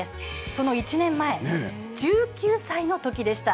その１年前、１９歳のときでした。